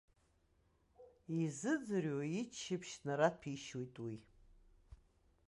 Изыӡырҩуа иччаԥшь нараҭәеишьоит уи.